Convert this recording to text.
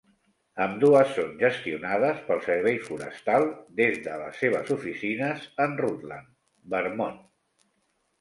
Ambdues són gestionades pel Servei Forestal des de les seves oficines en Rutland, Vermont.